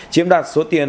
chiếm đạt số tiền